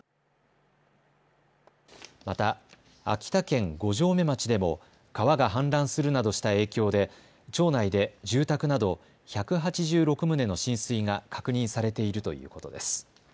また秋田県五城目町でも川が氾濫するなどした影響で町内で住宅など１８６棟の浸水が確認されているということです。